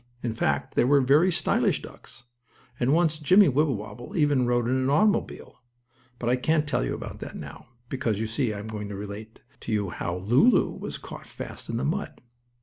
In fact they were very stylish ducks, and once Jimmie Wibblewobble even rode in an automobile, but I can't tell you about that now, because you see I am going to relate to you how Lulu was caught fast in the mud.